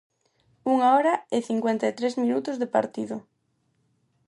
Unha hora e cincuenta e tres minutos de partido.